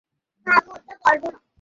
বছরের একজন তরুণী দাঁড়িয়ে আছে।